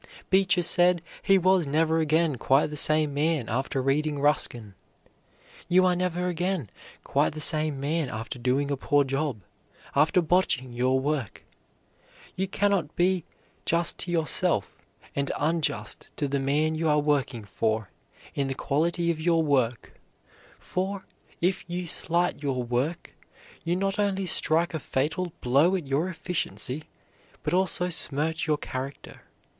Beecher said he was never again quite the same man after reading Ruskin. You are never again quite the same man after doing a poor job, after botching your work. You cannot be just to yourself and unjust to the man you are working for in the quality of your work, for, if you slight your work, you not only strike a fatal blow at your efficiency, but also smirch your character.